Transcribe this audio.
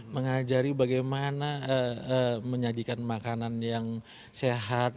mengajari bagaimana menyajikan makanan yang sehat